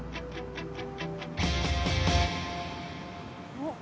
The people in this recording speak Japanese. おっ。